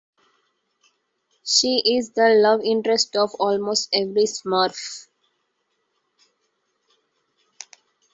She is the love interest of almost every Smurf.